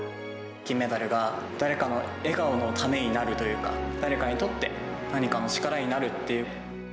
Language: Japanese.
金メダルが誰かの笑顔のためになるというか、誰かにとって、何かの力になるっていう。